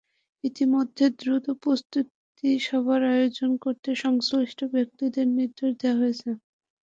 ইতিমধ্যে দ্রুত প্রস্তুতি সভার আয়োজন করতে সংশ্লিষ্ট ব্যক্তিদের নির্দেশ দেওয়া হয়েছে।